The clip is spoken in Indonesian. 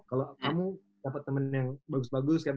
kalau kamu dapat teman yang bagus bagus